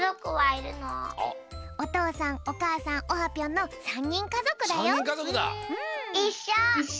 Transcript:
おとうさんおかあさんオハぴょんの３にんかぞくだよ。